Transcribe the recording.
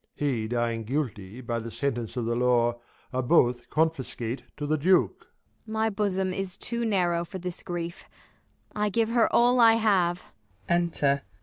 He dying guilty by the sentence of The law, ai'e both confiscate to the Duke. Ang. My bosom is too narrow for this grief ; I 'Ave her all I have. II THE LAW AGAINST LOVERS.